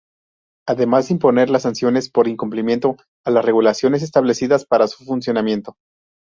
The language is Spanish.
Además de imponer las sanciones por incumplimiento a las regulaciones establecidas para su funcionamiento.